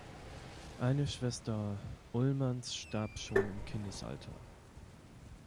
Eine Schwester Ullmanns starb schon im Kindesalter.